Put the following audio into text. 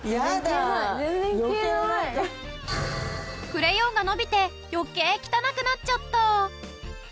クレヨンが伸びて余計汚くなっちゃった！